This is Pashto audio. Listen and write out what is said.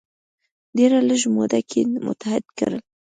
ډیره لږه موده کې متحد کړل.